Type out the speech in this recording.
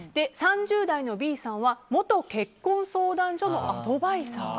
３０代のＢさんは元結婚相談所のアドバイザー。